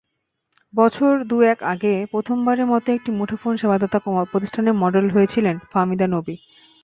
বছর দু-এক আগে প্রথমবারের মতো একটি মুঠোফোন সেবাদাতা প্রতিষ্ঠানের মডেল হয়েছিলেন ফাহমিদা নবী।